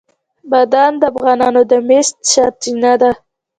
بادام د افغانانو د معیشت سرچینه ده.